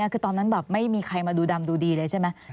คือตอนนั้นแบบไม่มีใครมาดูดำดูดีเลยใช่ไหม